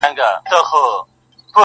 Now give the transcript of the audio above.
یو په یو یې ور حساب کړله ظلمونه٫